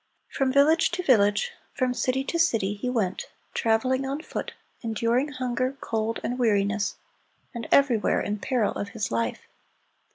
From village to village, from city to city, he went, traveling on foot, enduring hunger, cold, and weariness, and everywhere in peril of his life.